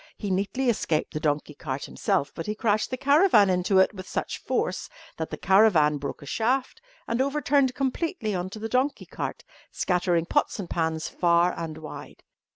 He neatly escaped the donkey cart himself, but he crashed the caravan into it with such force that the caravan broke a shaft and overturned completely on to the donkey cart, scattering pots and pans far and wide.